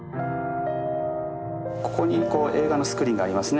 ここに映画のスクリーンがありますね。